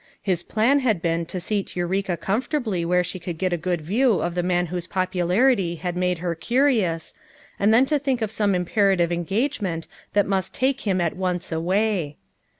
1 1 in plan had boon to 8otil Kurokn uomfortably whore she could got a good Viow of the mail whoso popularity had made her durioiiH, ami Hum lo think of soma imporativo engagement thai, must lake him at once away.